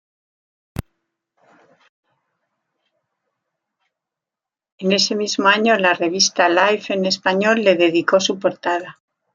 En ese mismo año la revista "Life en Español" le dedicó su portada.